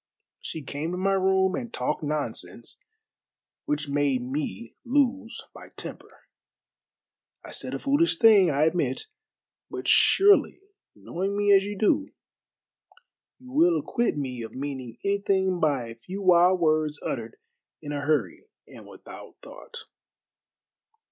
She came to my room and talked nonsense, which made me lose my temper. I said a foolish thing, I admit, but surely knowing me as you do you will acquit me of meaning anything by a few wild words uttered in a hurry and without thought."